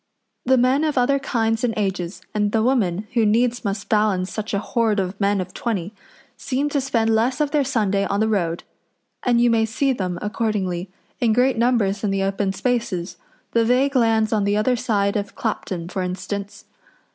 The men of other kinds and ages, and the women, who needs must balance such a horde of men of twenty, seem to spend less of their Sunday on the road, and you may see them, accordingly, in great numbers in the open spaces the vague lands on the other side of Clapton, for instance.